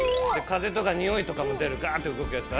風とかにおいとかも出るガーッて動くやつ。